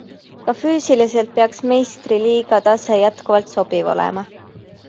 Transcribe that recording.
Ka füüsiliselt peaks meistriliiga tase jätkuvalt sobiv olema.